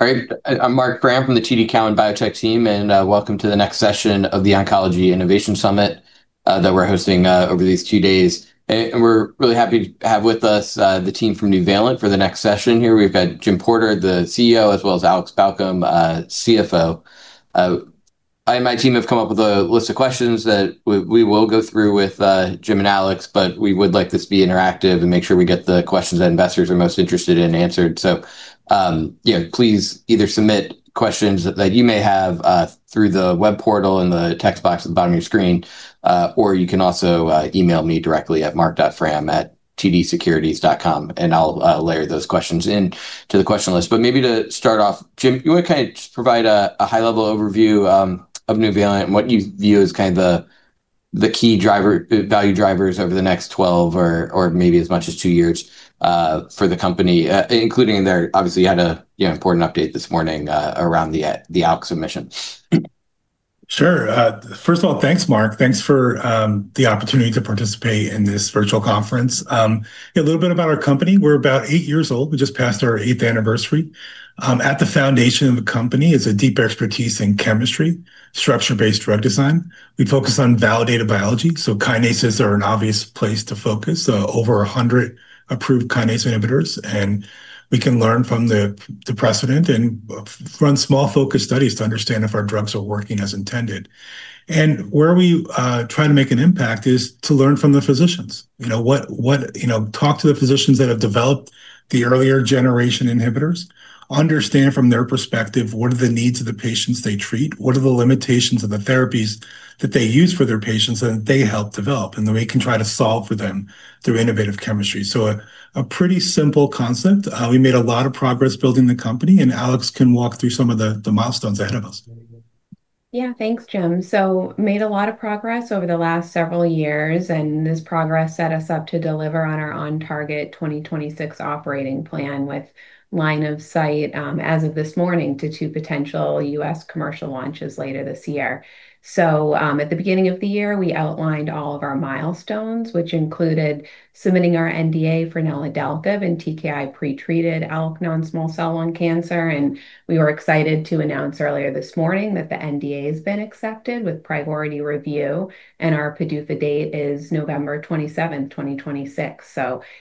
All right. I'm Marc Frahm from the TD Cowen Biotech team, welcome to the next session of the Oncology Innovation Summit that we're hosting over these two days. We're really happy to have with us the team from Nuvalent for the next session here. We've got Jim Porter, the CEO, as well as Alex Balcom, CFO. I and my team have come up with a list of questions that we will go through with Jim and Alex, we would like this to be interactive and make sure we get the questions that investors are most interested in answered. Please either submit questions that you may have through the web portal in the text box at the bottom of your screen, or you can also email me directly at marc.frahm@tdcowen.com I'll layer those questions in to the question list. Maybe to start off, Jim, you want to kind of just provide a high-level overview of Nuvalent and what you view as kind of the key value drivers over the next 12 or maybe as much as two years for the company including there, obviously, you had an important update this morning around the ALK submission. Sure. First of all, thanks, Marc. Thanks for the opportunity to participate in this virtual conference. A little bit about our company. We're about eight years old. We just passed our eighth anniversary. At the foundation of the company is a deep expertise in chemistry, structure-based drug design. We focus on validated biology, so kinases are an obvious place to focus. Over 100 approved kinase inhibitors, and we can learn from the precedent and run small focus studies to understand if our drugs are working as intended. Where we try to make an impact is to learn from the physicians. Talk to the physicians that have developed the earlier generation inhibitors, understand from their perspective what are the needs of the patients they treat, what are the limitations of the therapies that they use for their patients that they helped develop, and that we can try to solve for them through innovative chemistry. A pretty simple concept. We made a lot of progress building the company, and Alex can walk through some of the milestones ahead of us. Yeah. Thanks, Jim. Made a lot of progress over the last several years, and this progress set us up to deliver on our on-target 2026 operating plan with line of sight, as of this morning, to two potential U.S. commercial launches later this year. At the beginning of the year, we outlined all of our milestones, which included submitting our NDA for neladalkib in TKI-pretreated ALK non-small cell lung cancer, and we were excited to announce earlier this morning that the NDA has been accepted with priority review, and our PDUFA date is November 27th, 2026.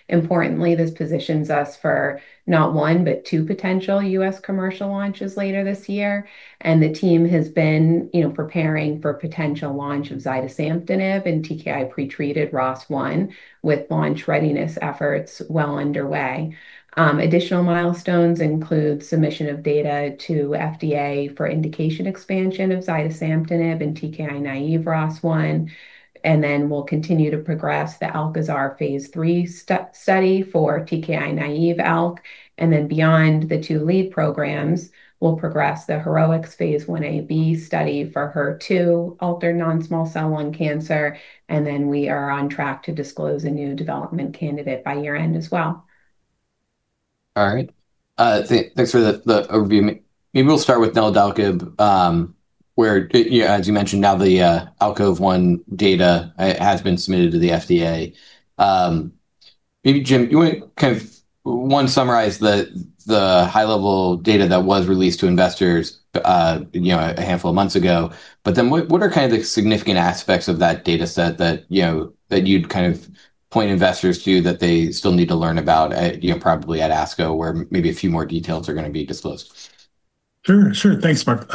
Importantly, this positions us for not one, but two potential U.S. commercial launches later this year. The team has been preparing for potential launch of zidesamtinib in TKI-pretreated ROS1 with launch readiness efforts well underway. Additional milestones include submission of data to FDA for indication expansion of zidesamtinib in TKI-naive ROS1. We'll continue to progress the ALKAZAR phase III study for TKI-naive ALK. Beyond the two lead programs, we'll progress the HEROEX-1 phase I-A/I-B study for HER2 altered non-small cell lung cancer. We are on track to disclose a new development candidate by year-end as well. All right. Thanks for the overview. Maybe we'll start with neladalkib, where, as you mentioned, now the ALKOVE-1 data has been submitted to the FDA. Maybe, Jim, you want to kind of, one, summarize the high-level data that was released to investors a handful of months ago, but then what are kind of the significant aspects of that data set that you'd kind of point investors to that they still need to learn about probably at ASCO, where maybe a few more details are going to be disclosed? Sure. Thanks, Marc.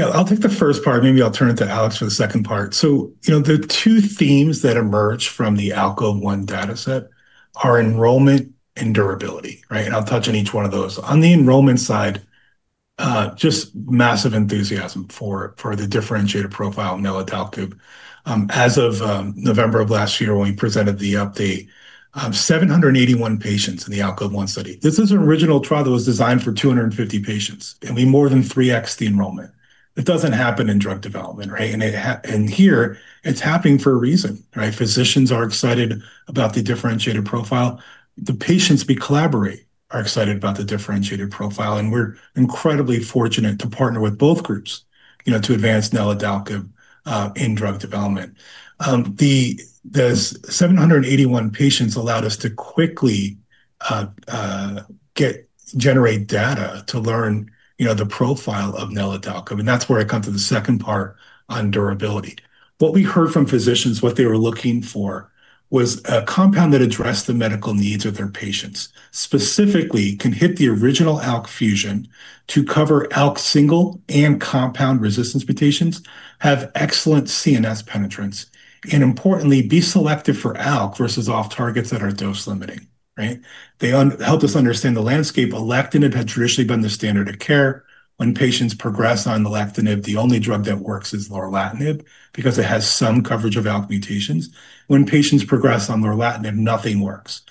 I'll take the first part. Maybe I'll turn it to Alex for the second part. The two themes that emerge from the ALKOVE-1 data set are enrollment and durability, right? I'll touch on each one of those. On the enrollment side, just massive enthusiasm for the differentiated profile neladalkib. As of November of last year when we presented the update, 781 patients in the ALKOVE-1 study. This is an original trial that was designed for 250 patients, and we more than 3X'd the enrollment. That doesn't happen in drug development, right? Here it's happening for a reason, right? Physicians are excited about the differentiated profile. The patients we collaborate are excited about the differentiated profile, and we're incredibly fortunate to partner with both groups to advance neladalkib in drug development. Those 781 patients allowed us to quickly generate data to learn the profile of neladalkib, and that's where I come to the second part on durability. What we heard from physicians, what they were looking for was a compound that addressed the medical needs of their patients, specifically can hit the original ALK fusion to cover ALK single and compound resistance mutations, have excellent CNS penetrance, and importantly, be selective for ALK versus off targets that are dose-limiting, right? They helped us understand the landscape. Alectinib had traditionally been the standard of care. When patients progress on alectinib, the only drug that works is lorlatinib because it has some coverage of ALK mutations. When patients progress on lorlatinib, nothing works.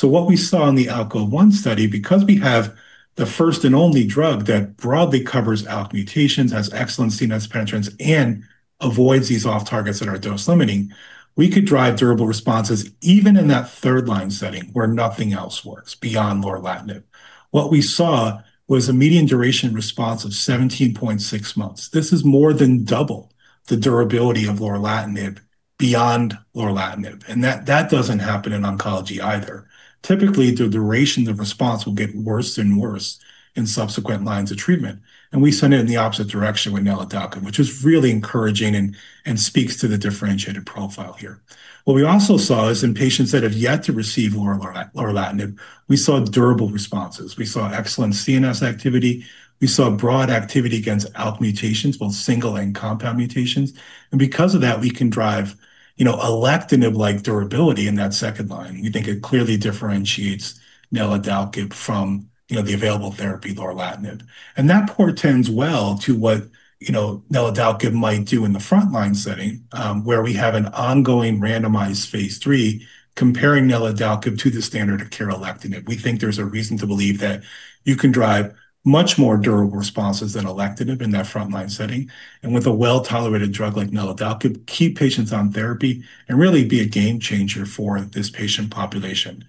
What we saw in the ALKOVE-1 study, because we have the first and only drug that broadly covers ALK mutations, has excellent CNS penetrance, and avoids these off targets that are dose-limiting, we could drive durable responses even in that third line setting where nothing else works beyond lorlatinib. What we saw was a median duration response of 17.6 months. This is more than double the durability of lorlatinib. Beyond lorlatinib. That doesn't happen in oncology either. Typically, the duration of response will get worse and worse in subsequent lines of treatment, and we sent it in the opposite direction with neladalkib, which was really encouraging and speaks to the differentiated profile here. What we also saw is in patients that have yet to receive lorlatinib, we saw durable responses. We saw excellent CNS activity. We saw broad activity against ALK mutations, both single and compound mutations. Because of that, we can drive alectinib-like durability in that second line. We think it clearly differentiates neladalkib from the available therapy, lorlatinib. That portends well to what neladalkib might do in the front-line setting, where we have an ongoing randomized phase III comparing neladalkib to the standard of care, alectinib. We think there's a reason to believe that you can drive much more durable responses than alectinib in that front-line setting, and with a well-tolerated drug like neladalkib, keep patients on therapy and really be a game changer for this patient population.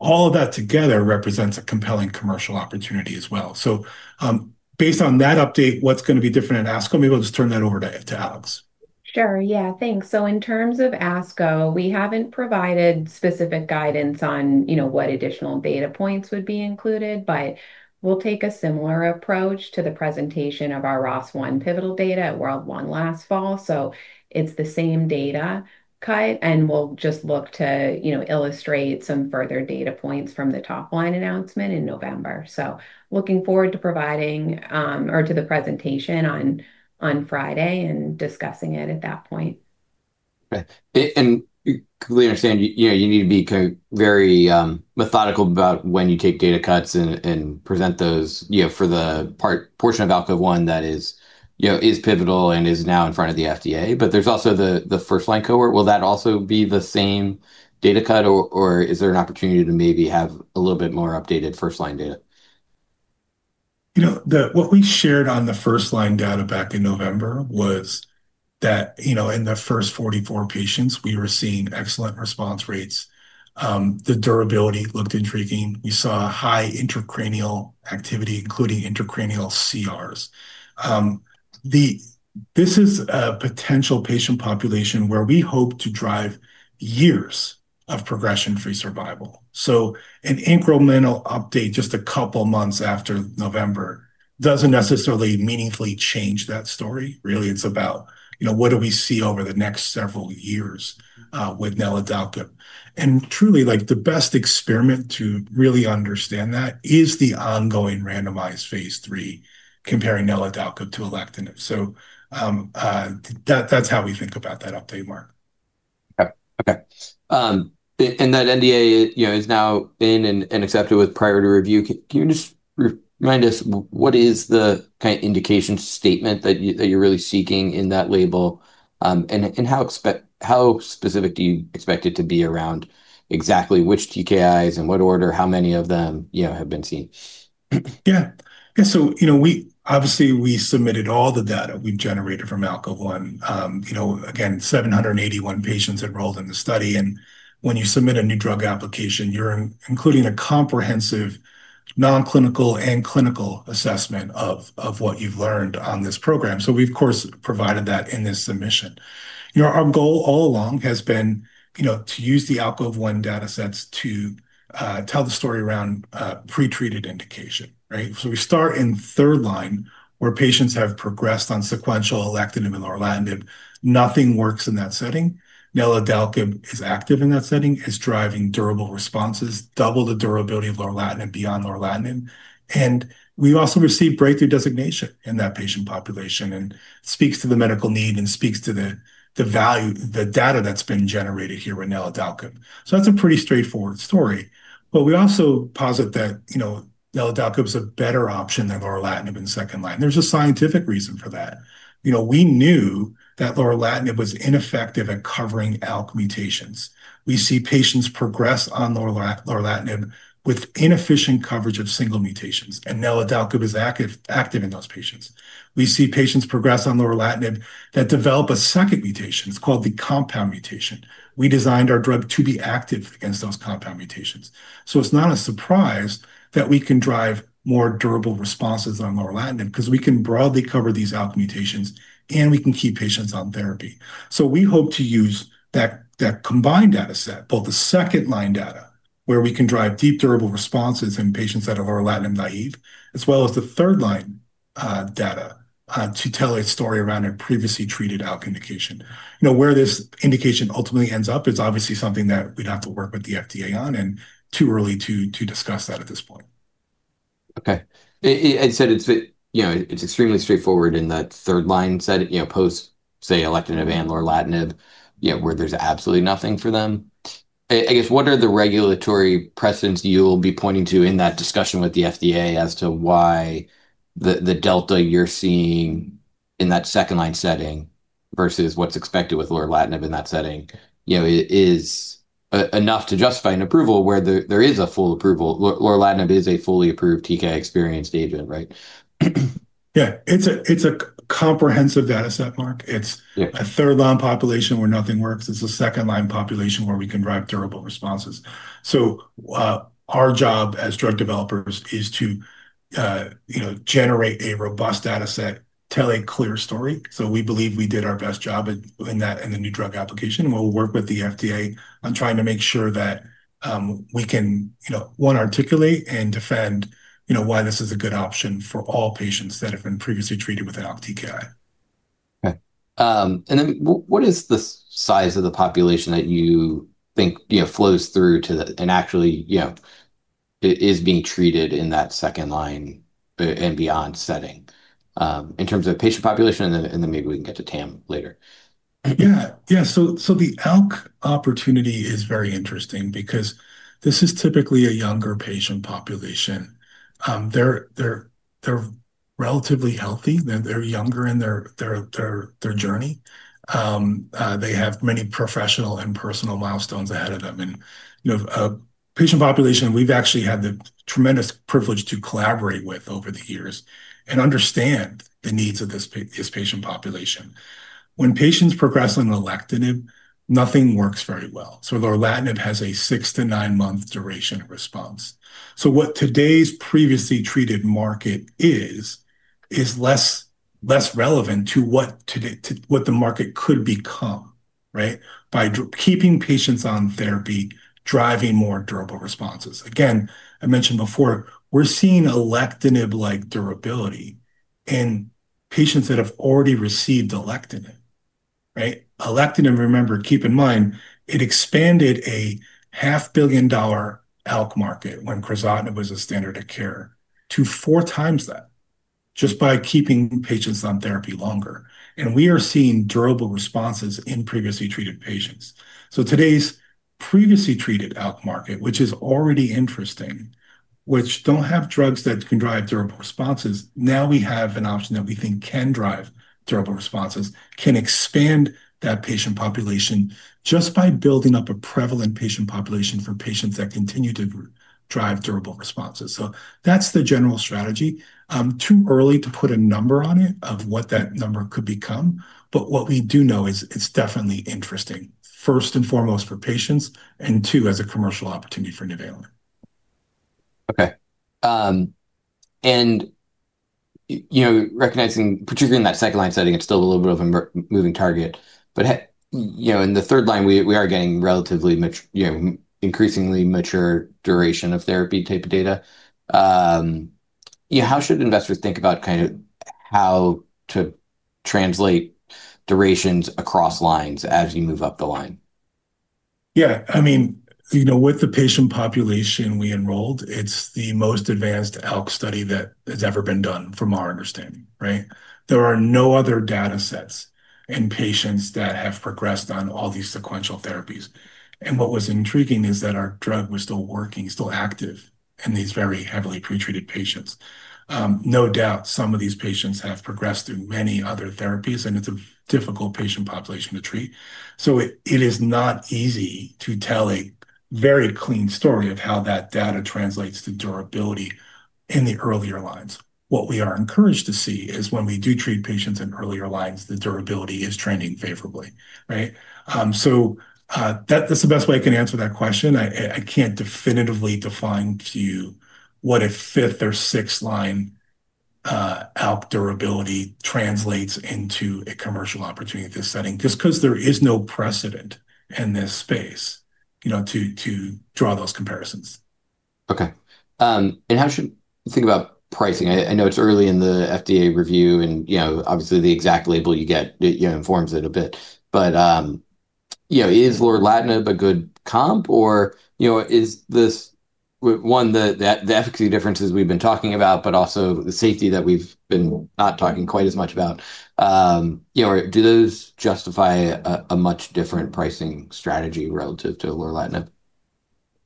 All of that together represents a compelling commercial opportunity as well. Based on that update, what's going to be different at ASCO? Maybe I'll just turn that over to Alex. Sure. Yeah, thanks. In terms of ASCO, we haven't provided specific guidance on what additional data points would be included, we'll take a similar approach to the presentation of our ROS1 pivotal data at World Conference on Lung Cancer last fall. It's the same data cut, we'll just look to illustrate some further data points from the top-line announcement in November. Looking forward to the presentation on Friday and discussing it at that point. Right. Completely understand, you need to be very methodical about when you take data cuts and present those for the portion of ALKOVE-1 that is pivotal and is now in front of the FDA. There's also the first-line cohort. Will that also be the same data cut, or is there an opportunity to maybe have a little bit more updated first-line data? What we shared on the first-line data back in November was that in the first 44 patients, we were seeing excellent response rates. The durability looked intriguing. We saw high intracranial activity, including intracranial CRs. This is a potential patient population where we hope to drive years of progression-free survival. An incremental update just a couple months after November doesn't necessarily meaningfully change that story. Really, it's about what do we see over the next several years with neladalkib. Truly, the best experiment to really understand that is the ongoing randomized phase III comparing neladalkib to alectinib. That's how we think about that update, Marc. Okay. That NDA is now in and accepted with priority review. Can you just remind us what is the kind of indication statement that you're really seeking in that label? How specific do you expect it to be around exactly which TKIs, in what order, how many of them have been seen? Yeah. Obviously, we submitted all the data we've generated from ALKOVE-1. Again, 781 patients enrolled in the study. When you submit a new drug application, you're including a comprehensive non-clinical and clinical assessment of what you've learned on this program. We've, of course, provided that in this submission. Our goal all along has been to use the ALKOVE-1 datasets to tell the story around pre-treated indication. Right? We start in third line, where patients have progressed on sequential alectinib and lorlatinib. Nothing works in that setting. neladalkib is active in that setting, is driving durable responses, double the durability of lorlatinib beyond lorlatinib. We also received breakthrough designation in that patient population, and speaks to the medical need and speaks to the value, the data that's been generated here with neladalkib. That's a pretty straightforward story. We also posit that neladalkib is a better option than lorlatinib in second-line. There's a scientific reason for that. We knew that lorlatinib was ineffective at covering ALK mutations. We see patients progress on lorlatinib with inefficient coverage of single mutations, and neladalkib is active in those patients. We see patients progress on lorlatinib that develop a second mutation. It's called the compound mutation. We designed our drug to be active against those compound mutations. It's not a surprise that we can drive more durable responses on lorlatinib, because we can broadly cover these ALK mutations, and we can keep patients on therapy. We hope to use that combined dataset, both the second-line data, where we can drive deep, durable responses in patients that are lorlatinib naive, as well as the third-line data to tell a story around a previously treated ALK indication. Where this indication ultimately ends up is obviously something that we'd have to work with the FDA on and too early to discuss that at this point. Okay. It said it's extremely straightforward in that third-line setting, post, say, alectinib and lorlatinib, where there's absolutely nothing for them. I guess, what are the regulatory precedents you'll be pointing to in that discussion with the FDA as to why the delta you're seeing in that second-line setting versus what's expected with lorlatinib in that setting is enough to justify an approval where there is a full approval? Lorlatinib is a fully approved TKI-experienced agent, right? Yeah. It's a comprehensive dataset, Marc. Yeah. It's a third-line population where nothing works. It's a second-line population where we can drive durable responses. Our job as drug developers is to generate a robust dataset, tell a clear story. We believe we did our best job in that in the New Drug Application. We'll work with the FDA on trying to make sure we can, one, articulate and defend why this is a good option for all patients that have been previously treated with ALK TKI. Okay. What is the size of the population that you think flows through and actually, is being treated in that second-line and beyond setting, in terms of patient population and then maybe we can get to TAM later. Yeah. The ALK opportunity is very interesting because this is typically a younger patient population. They're relatively healthy. They're younger in their journey. They have many professional and personal milestones ahead of them, and a patient population we've actually had the tremendous privilege to collaborate with over the years and understand the needs of this patient population. When patients progress on alectinib, nothing works very well. lorlatinib has a six to nine month duration response. What today's previously treated market is less relevant to what the market could become. By keeping patients on therapy, driving more durable responses. Again, I mentioned before, we're seeing alectinib-like durability in patients that have already received alectinib. alectinib, remember, keep in mind, it expanded a half-billion-dollar ALK market when crizotinib was a standard of care to 4x that, just by keeping patients on therapy longer. We are seeing durable responses in previously treated patients. Today's previously treated ALK market, which is already interesting, which don't have drugs that can drive durable responses, now we have an option that we think can drive durable responses, can expand that patient population just by building up a prevalent patient population for patients that continue to drive durable responses. That's the general strategy. Too early to put a number on it of what that number could become, but what we do know is it's definitely interesting, first and foremost for patients, and two, as a commercial opportunity for Nuvalent. Okay. Recognizing, particularly in that second line setting, it's still a little bit of a moving target. Hey, in the third line, we are getting relatively increasingly mature duration of therapy type of data. How should investors think about how to translate durations across lines as you move up the line? Yeah. With the patient population we enrolled, it's the most advanced ALK study that has ever been done from our understanding. There are no other data sets in patients that have progressed on all these sequential therapies. What was intriguing is that our drug was still working, still active, in these very heavily pre-treated patients. No doubt some of these patients have progressed through many other therapies, and it's a difficult patient population to treat. It is not easy to tell a very clean story of how that data translates to durability in the earlier lines. What we are encouraged to see is when we do treat patients in earlier lines, the durability is trending favorably. That's the best way I can answer that question. I can't definitively define to you what a fifth or sixth line ALK durability translates into a commercial opportunity at this setting, just because there is no precedent in this space to draw those comparisons. Okay. How should we think about pricing? I know it's early in the FDA review, and obviously the exact label you get informs it a bit. Is lorlatinib a good comp? Is this one, the efficacy differences we've been talking about, but also the safety that we've been not talking quite as much about, do those justify a much different pricing strategy relative to lorlatinib?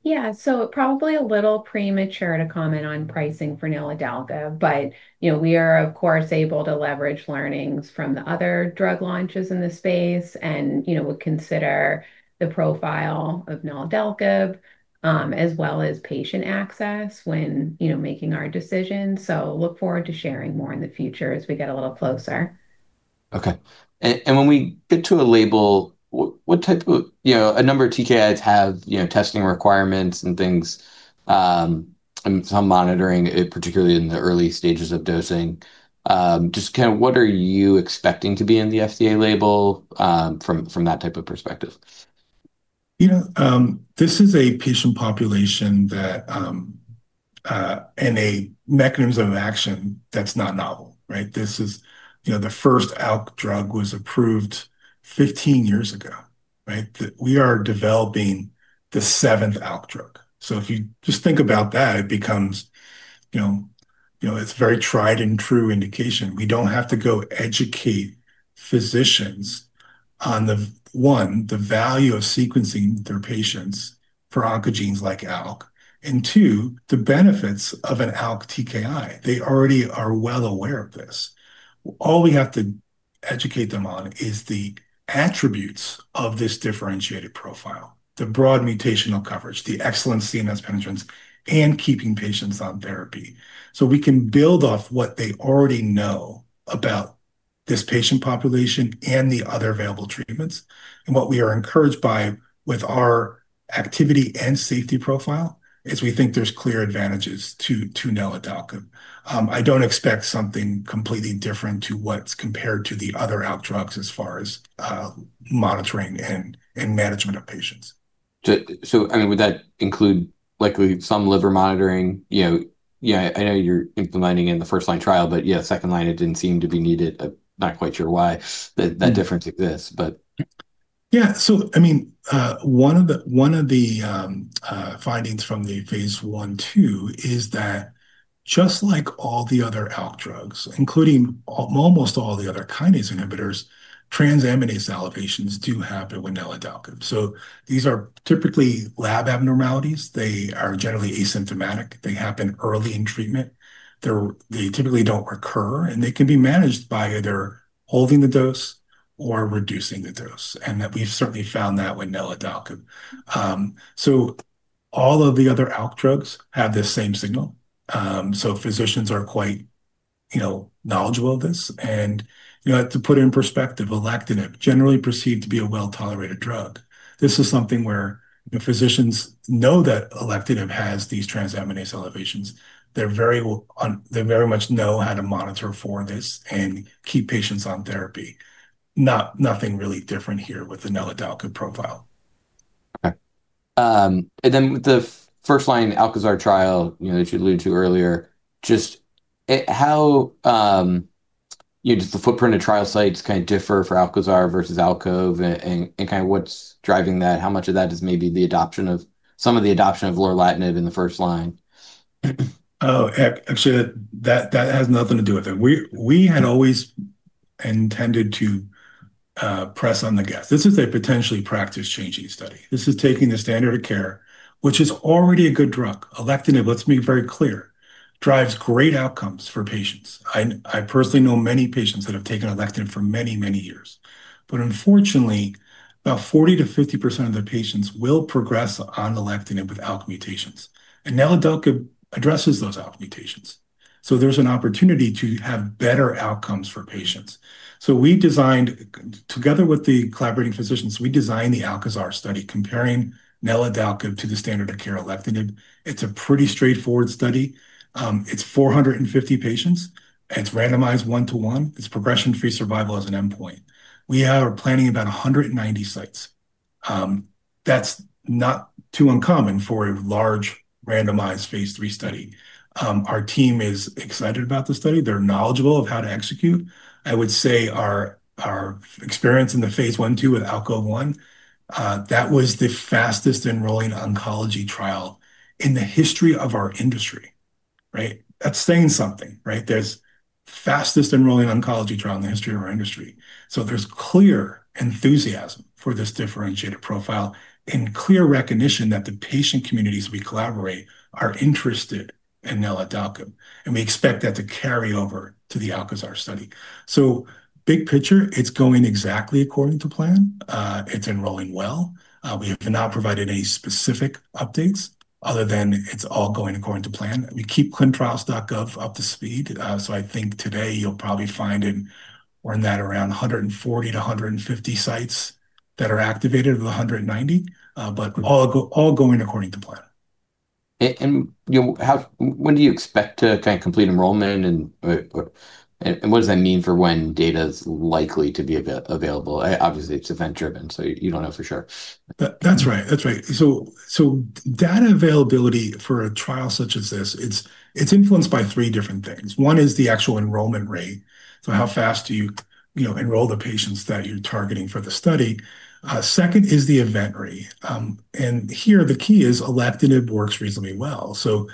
Yeah. Probably a little premature to comment on pricing for neladalkib, but we are, of course, able to leverage learnings from the other drug launches in the space and would consider the profile of neladalkib, as well as patient access when making our decision. Look forward to sharing more in the future as we get a little closer. Okay. When we get to a label, a number of TKIs have testing requirements and things, and some monitoring, particularly in the early stages of dosing. Just what are you expecting to be in the FDA label from that type of perspective? This is a patient population and a mechanism of action that's not novel. The first ALK drug was approved 15 years ago. We are developing the seventh ALK drug. If you just think about that, it's very tried and true indication. We don't have to go educate physicians on the, one, the value of sequencing their patients for oncogenes like ALK. Two, the benefits of an ALK TKI. They already are well aware of this. All we have to educate them on is the attributes of this differentiated profile, the broad mutational coverage, the excellent CNS penetrance, and keeping patients on therapy. We can build off what they already know about this patient population and the other available treatments. What we are encouraged by with our activity and safety profile is we think there's clear advantages to neladalkib. I don't expect something completely different to what's compared to the other ALK drugs as far as monitoring and management of patients. Would that include likely some liver monitoring? I know you're implementing it in the first-line trial, but second line it didn't seem to be needed. Not quite sure why that difference exists. Yeah. One of the findings from the phase I/II is that just like all the other ALK drugs, including almost all the other kinase inhibitors, transaminase elevations do happen with neladalkib. These are typically lab abnormalities. They are generally asymptomatic. They happen early in treatment. They typically don't recur, and they can be managed by either holding the dose or reducing the dose, and that we've certainly found that with neladalkib. All of the other ALK drugs have this same signal. Physicians are quite knowledgeable of this. To put it in perspective, alectinib, generally perceived to be a well-tolerated drug. This is something where physicians know that alectinib has these transaminase elevations. They very much know how to monitor for this and keep patients on therapy. Nothing really different here with the neladalkib profile. Okay. Then the first-line ALKAZAR trial, that you alluded to earlier, does the footprint of trial sites differ for ALKAZAR versus ALKOVE-1, and what's driving that? How much of that is maybe some of the adoption of lorlatinib in the first line? Oh, actually, that has nothing to do with it. We had always intended to press on the gas. This is a potentially practice-changing study. This is taking the standard of care, which is already a good drug. alectinib, let's be very clear, drives great outcomes for patients. I personally know many patients that have taken alectinib for many, many years. Unfortunately, about 40%-50% of the patients will progress on alectinib with ALK mutations, and neladalkib addresses those ALK mutations. There's an opportunity to have better outcomes for patients. Together with the collaborating physicians, we designed the ALKAZAR study comparing neladalkib to the standard of care, alectinib. It's a pretty straightforward study. It's 450 patients, and it's randomized one-to-one. It's progression-free survival as an endpoint. We are planning about 190 sites. That's not too uncommon for a large randomized phase III study. Our team is excited about the study. They're knowledgeable of how to execute. I would say our experience in the phase I/II with ALKOVE-1, that was the fastest enrolling oncology trial in the history of our industry, right? That's saying something, right? There's fastest enrolling oncology trial in the history of our industry. There's clear enthusiasm for this differentiated profile and clear recognition that the patient communities we collaborate are interested in neladalkib, and we expect that to carry over to the ALKAZAR study. Big picture, it's going exactly according to plan. It's enrolling well. We have not provided any specific updates other than it's all going according to plan. We keep ClinicalTrials.gov up to speed. I think today you'll probably find it, we're in that around 140-150 sites that are activated of the 190. All going according to plan. When do you expect to complete enrollment, and what does that mean for when data is likely to be available? Obviously, it's event-driven, so you don't know for sure. That's right. Data availability for a trial such as this, it's influenced by three different things. One is the actual enrollment rate, so how fast do you enroll the patients that you're targeting for the study? Second is the event rate. Here the key is alectinib works reasonably well, so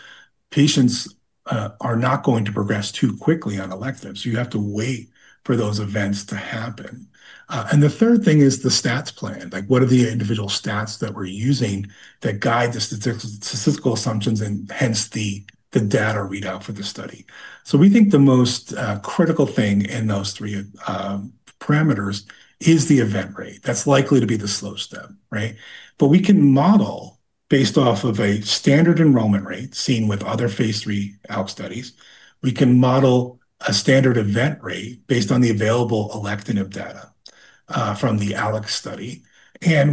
patients are not going to progress too quickly on alectinib, so you have to wait for those events to happen. The third thing is the stats plan. What are the individual stats that we're using that guide the statistical assumptions and hence the data readout for the study? We think the most critical thing in those three parameters is the event rate. That's likely to be the slow step, right? We can model based off of a standard enrollment rate seen with other phase III ALK studies. We can model a standard event rate based on the available alectinib data from the ALEX study.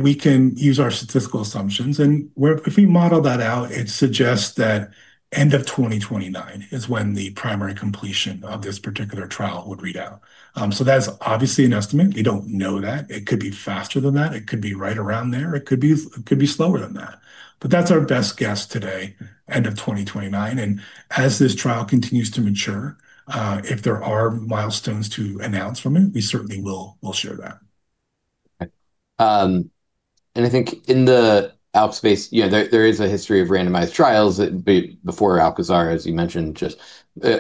We can use our statistical assumptions. If we model that out, it suggests that end of 2029 is when the primary completion of this particular trial would read out. That is obviously an estimate. We don't know that. It could be faster than that. It could be right around there. It could be slower than that. That's our best guess today, end of 2029. As this trial continues to mature, if there are milestones to announce from it, we certainly will share that. Okay. I think in the ALK space, there is a history of randomized trials before ALKAZAR, as you mentioned,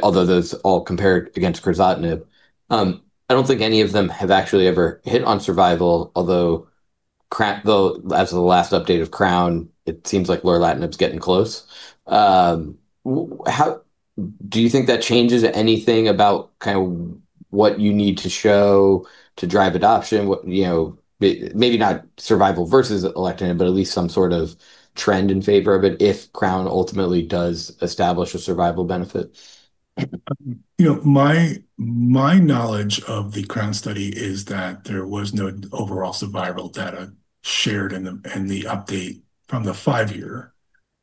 although those all compared against crizotinib. I don't think any of them have actually ever hit on survival, although as of the last update of CROWN, it seems like lorlatinib's getting close. Do you think that changes anything about what you need to show to drive adoption? Maybe not survival versus alectinib, at least some sort of trend in favor of it if CROWN ultimately does establish a survival benefit. My knowledge of the CROWN study is that there was no overall survival data shared in the update from the five-year.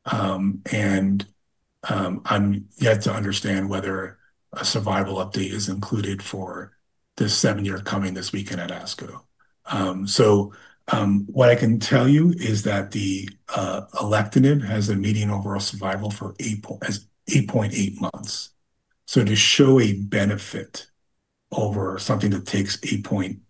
I'm yet to understand whether a survival update is included for this seven-year coming this weekend at ASCO. What I can tell you is that the alectinib has a median overall survival for 8.8 months. To show a benefit over something that takes 8.8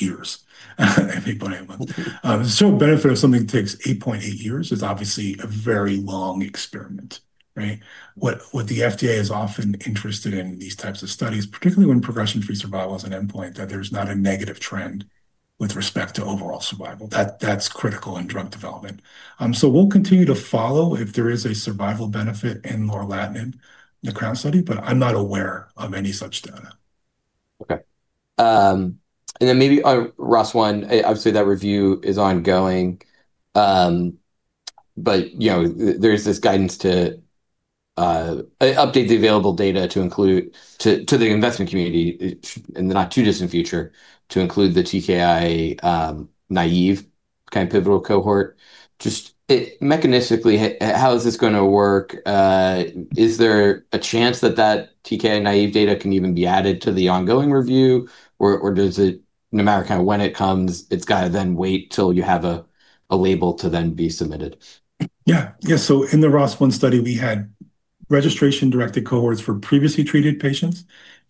years, not 8.8 months. To show a benefit of something that takes 8.8 years is obviously a very long experiment, right? What the FDA is often interested in these types of studies, particularly when progression-free survival is an endpoint, that there's not a negative trend with respect to overall survival. That's critical in drug development. We'll continue to follow if there is a survival benefit in lorlatinib, the CROWN study, I'm not aware of any such data. Okay. Maybe ROS1, obviously, that review is ongoing. There is this guidance to update the available data to the investment community in the not-too-distant future to include the TKI-naive kind of pivotal cohort. Just mechanistically, how is this going to work? Is there a chance that that TKI-naive data can even be added to the ongoing review? Does it, no matter kind of when it comes, it's got to then wait till you have a label to then be submitted? In the ROS1 study, we had registration-directed cohorts for previously treated patients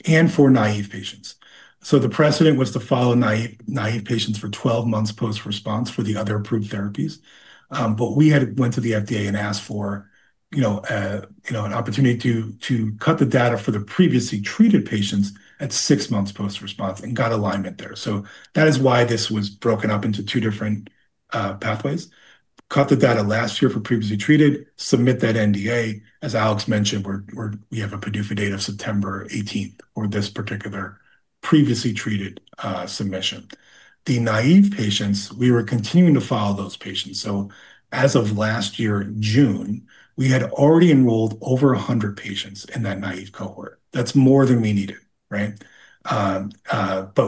and for naive patients. The precedent was to follow naive patients for 12 months post-response for the other approved therapies. We had went to the FDA and asked for an opportunity to cut the data for the previously treated patients at six months post-response and got alignment there. That is why this was broken up into two different pathways. Cut the data last year for previously treated, submit that NDA. As Alex mentioned, we have a PDUFA date of September 18th for this particular previously treated submission. The naive patients, we were continuing to follow those patients. As of last year, June, we had already enrolled over 100 patients in that naive cohort. That's more than we needed, right?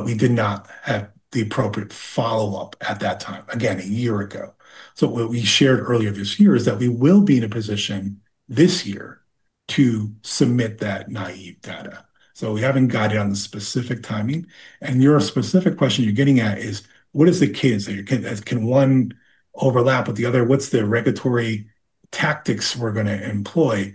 We did not have the appropriate follow-up at that time, again, a year ago. What we shared earlier this year is that we will be in a position this year to submit that naive data. We haven't got it on the specific timing, and your specific question you're getting at is, what is the case? Can one overlap with the other? What's the regulatory tactics we're going to employ?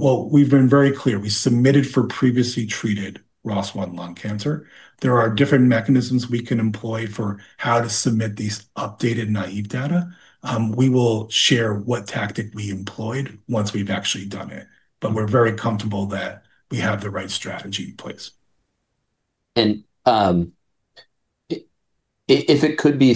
We've been very clear. We submitted for previously treated ROS1 lung cancer. There are different mechanisms we can employ for how to submit these updated naive data. We will share what tactic we employed once we've actually done it, but we're very comfortable that we have the right strategy in place. If it could be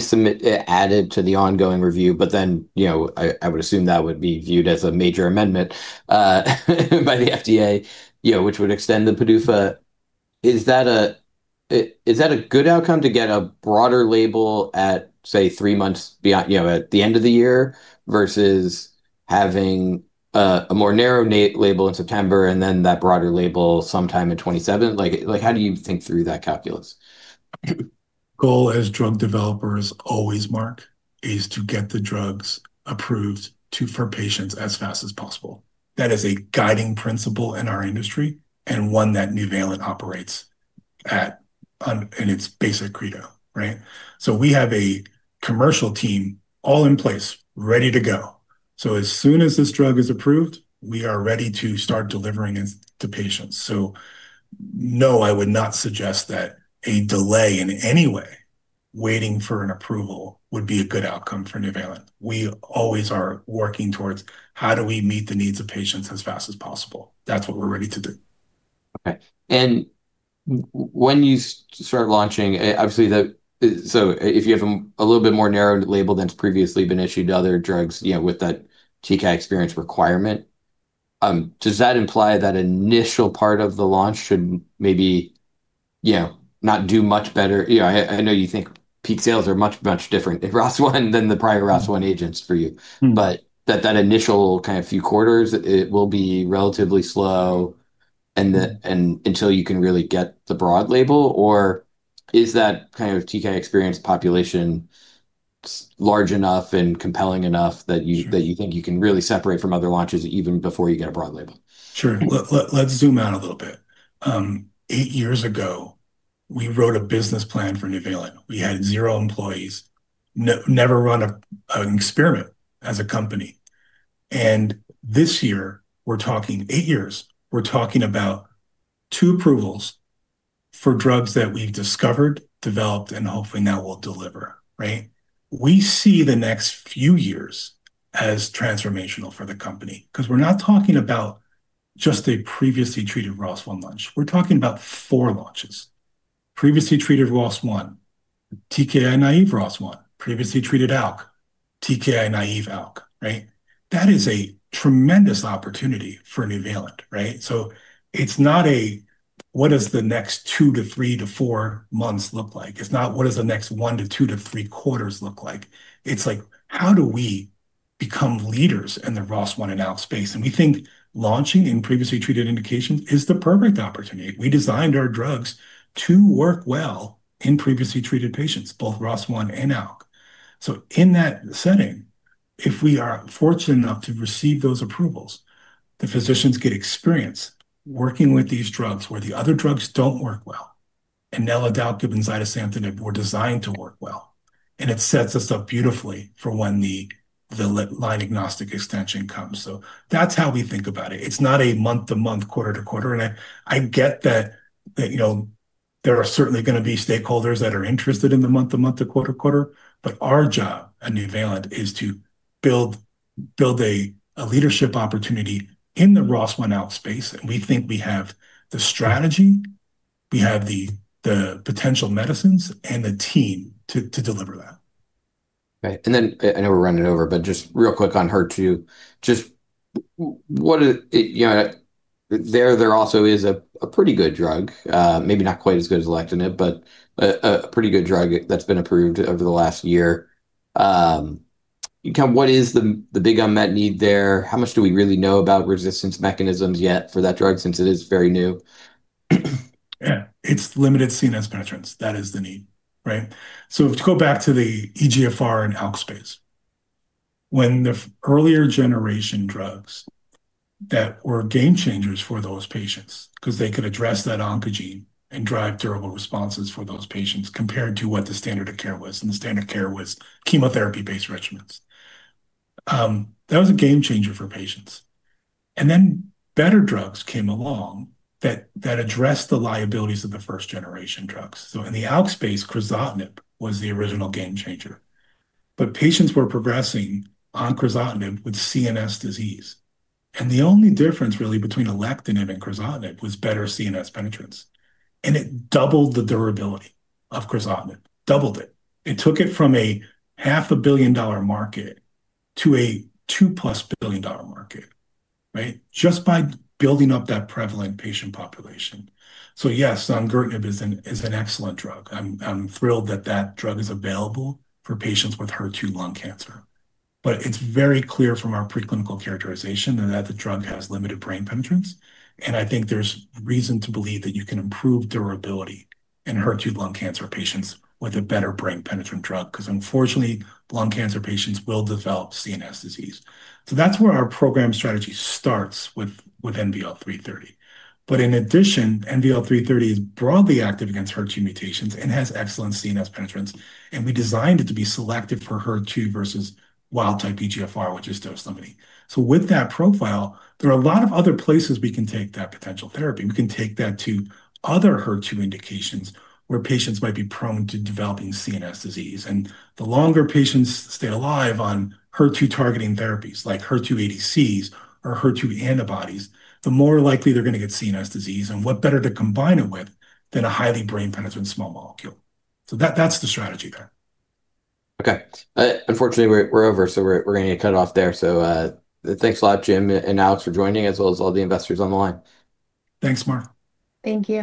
added to the ongoing review, I would assume that would be viewed as a major amendment, by the FDA, which would extend the PDUFA. Is that a good outcome to get a broader label at, say, three months beyond at the end of the year, versus having a more narrow label in September and then that broader label sometime in 2027? How do you think through that calculus? The goal as drug developers always, Marc, is to get the drugs approved for patients as fast as possible. That is a guiding principle in our industry and one that Nuvalent operates at in its basic credo, right? We have a commercial team all in place, ready to go. As soon as this drug is approved, we are ready to start delivering it to patients. No, I would not suggest that a delay in any way waiting for an approval would be a good outcome for Nuvalent. We always are working towards how do we meet the needs of patients as fast as possible. That's what we're ready to do. Okay. When you start launching, obviously, so if you have a little bit more narrowed label than previously been issued to other drugs with that TKI experience requirement, does that imply that initial part of the launch should maybe not do much better? I know you think peak sales are much, much different in ROS1 than the prior ROS1 agents for you. That initial kind of few quarters, it will be relatively slow until you can really get the broad label. Is that kind of TKI-experienced population large enough and compelling enough? Sure that you think you can really separate from other launches even before you get a broad label? Sure. Let's zoom out a little bit. Eight years ago, we wrote a business plan for Nuvalent. We had zero employees, never run an experiment as a company. This year, we're talking eight years, we're talking about two approvals for drugs that we've discovered, developed, and hopefully now will deliver, right? We see the next few years as transformational for the company, because we're not talking about just a previously treated ROS1 launch. We're talking about four launches. Previously treated ROS1, TKI-naive ROS1, previously treated ALK, TKI-naive ALK, right? That is a tremendous opportunity for Nuvalent, right? It's not a what does the next two to three to four months look like? It's not what does the next one to two to three quarters look like? It's how do we become leaders in the ROS1 and ALK space? We think launching in previously treated indications is the perfect opportunity. We designed our drugs to work well in previously treated patients, both ROS1 and ALK. In that setting. If we are fortunate enough to receive those approvals, the physicians get experience working with these drugs where the other drugs don't work well, and neladalkib and zidesamtinib were designed to work well. It sets us up beautifully for when the line-agnostic extension comes. That's how we think about it. It's not a month to month, quarter to quarter. I get that there are certainly going to be stakeholders that are interested in the month to month to quarter to quarter. Our job at Nuvalent is to build a leadership opportunity in the ROS1 ALK space. We think we have the strategy, we have the potential medicines, and the team to deliver that. Right. I know we're running over, but just real quick on HER2, there also is a pretty good drug. Maybe not quite as good as alectinib, but a pretty good drug that's been approved over the last year. What is the big unmet need there? How much do we really know about resistance mechanisms yet for that drug, since it is very new? Yeah. It's limited CNS penetrance. That is the need, right? If to go back to the EGFR and ALK space, when the earlier generation drugs that were game changers for those patients, because they could address that oncogene and drive durable responses for those patients compared to what the standard of care was, and the standard of care was chemotherapy-based regimens. That was a game changer for patients. Better drugs came along that addressed the liabilities of the first-generation drugs. In the ALK space, crizotinib was the original game changer. Patients were progressing on crizotinib with CNS disease. The only difference really between alectinib and crizotinib was better CNS penetrance. It doubled the durability of crizotinib. Doubled it. It took it from a half a billion-dollar market to a +$2 billion market, right? Just by building up that prevalent patient population. Yes, zongertinib is an excellent drug. I'm thrilled that that drug is available for patients with HER2 lung cancer. It's very clear from our preclinical characterization that that drug has limited brain penetrance. I think there's reason to believe that you can improve durability in HER2 lung cancer patients with a better brain penetrant drug, because unfortunately, lung cancer patients will develop CNS disease. That's where our program strategy starts with NVL-330. In addition, NVL-330 is broadly active against HER2 mutations and has excellent CNS penetrance, and we designed it to be selective for HER2 versus wild-type EGFR, which is dose-limiting toxicity. With that profile, there are a lot of other places we can take that potential therapy, and we can take that to other HER2 indications where patients might be prone to developing CNS disease. The longer patients stay alive on HER2 targeting therapies like HER2 ADCs or HER2 antibodies, the more likely they're going to get CNS disease. What better to combine it with than a highly brain penetrant small molecule? That's the strategy there. Unfortunately, we're over, so we're going to get cut off there. Thanks a lot, Jim and Alex, for joining, as well as all the investors on the line. Thanks, Marc. Thank you.